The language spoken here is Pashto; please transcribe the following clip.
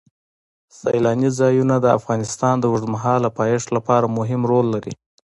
سیلانی ځایونه د افغانستان د اوږدمهاله پایښت لپاره مهم رول لري.